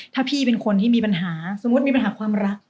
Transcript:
ถ้าพี่เป็นคนที่มีปัญหาสมมุติมีปัญหาความรัก